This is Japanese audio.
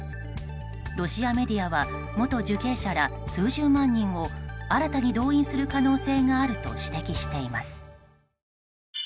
ロシアメディアは元受刑者ら数十万人を新たに動員する可能性があると指摘しています。